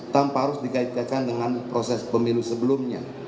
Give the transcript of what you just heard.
tanpa harus dikaitkan dengan proses pemilu sebelumnya